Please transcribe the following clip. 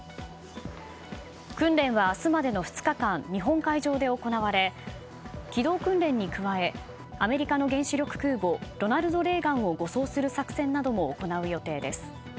訓練は明日までの２日間日本海上で行われ機動訓練に加えアメリカの原子力空母「ロナルド・レーガン」を護送する作戦なども行う予定です。